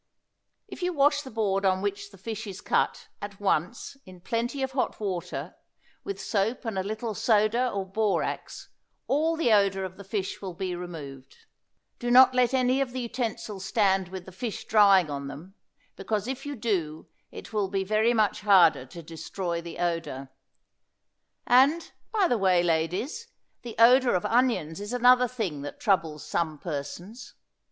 If you wash the board on which the fish is cut, at once, in plenty of hot water, with soap and a little soda or borax all the odor of the fish will be removed. Don't let any of the utensils stand with the fish drying on them, because if you do it will be very much harder to destroy the odor. And, by the way, ladies, the odor of onions is another thing that troubles some persons.